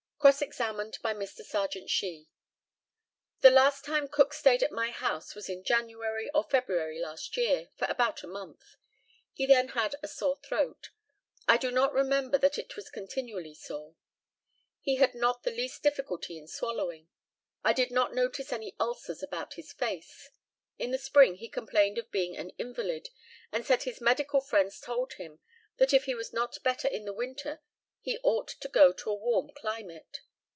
Cross examined by Mr. Serjeant SHEE: The last time Cook stayed at my house was in January or February last year, for about a month. He then had a sore throat. I do not remember that it was continually sore. He had not the least difficulty in swallowing. I did not notice any ulcers about his face. In the spring he complained of being an invalid, and said his medical friends told him that if he was not better in the winter he ought to go to a warm climate.